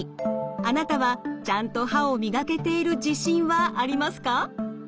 あなたはちゃんと歯を磨けている自信はありますか？